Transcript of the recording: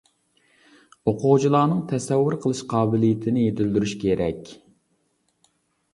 ئوقۇغۇچىلارنىڭ تەسەۋۋۇر قىلىش قابىلىيىتىنى يېتىلدۈرۈش كېرەك.